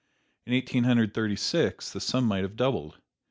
In Eighteen Hundred Thirty six, the sum might have been doubled.